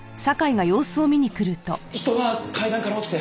人が階段から落ちて。